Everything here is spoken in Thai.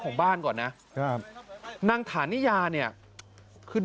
สวยสวยสวยสวยสวยสวยสวยสวย